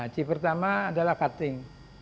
c pertama adalah cutting